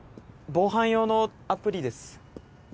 防犯用のアプリです。